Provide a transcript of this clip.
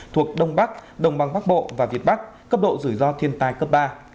thuộc đông bắc đông băng bắc bộ và việt bắc cấp độ rủi ro thiên tai cấp ba